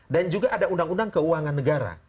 dan juga ada undang undang keuangan negara